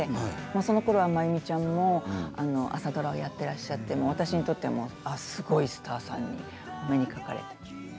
そのころは麻由美ちゃんも朝ドラをやってらっしゃって私にとってはすごいスターさんにお目にかかれて。